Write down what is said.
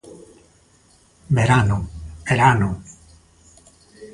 Verano, verano.